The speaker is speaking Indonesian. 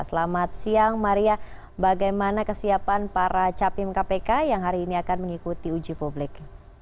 selamat siang maria bagaimana kesiapan para capim kpk yang hari ini akan mengikuti uji publik